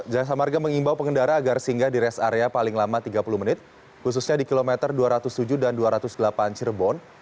jasa marga mengimbau pengendara agar singgah di rest area paling lama tiga puluh menit khususnya di kilometer dua ratus tujuh dan dua ratus delapan cirebon